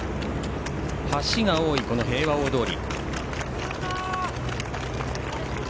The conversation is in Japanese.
橋が多い平和大通り。